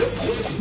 何？